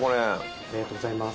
ありがとうございます。